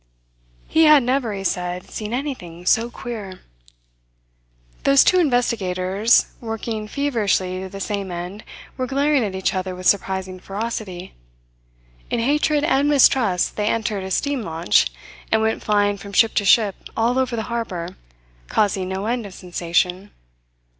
He had never, he said, seen anything so queer. Those two investigators working feverishly to the same end were glaring at each other with surprising ferocity. In hatred and mistrust they entered a steam launch, and went flying from ship to ship all over the harbour, causing no end of sensation.